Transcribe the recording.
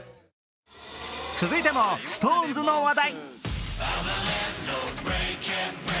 続いてもＳｉｘＴＯＮＥＳの話題。